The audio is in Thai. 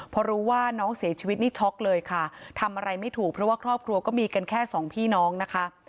พอรู้ว่าน้องเสียชีวิตนี่ช็อกเลยค่ะทำอะไรไม่ถูกเพราะว่าครอบครัวก็มีกันแค่สองพี่น้องนะคะ